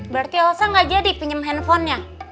berarti elsa nggak jadi pinjem handphonenya